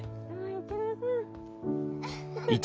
一郎さん。